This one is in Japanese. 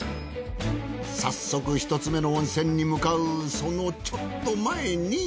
早速１つ目の温泉に向かうそのちょっと前に。